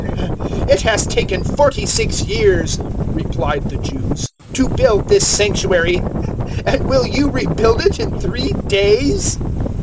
002:020 "It has taken forty six years," replied the Jews, "to build this Sanctuary, and will you rebuild it in three days?"